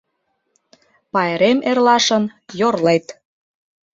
Пайрем эрлашын — йорлет